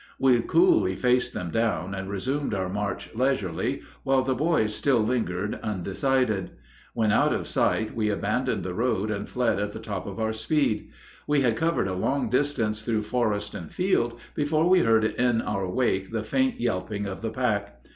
We coolly faced them down and resumed our march leisurely, while the boys still lingered undecided. When out of sight we abandoned the road and fled at the top of our speed. We had covered a long distance through forest and field before we heard in our wake the faint yelping of the pack.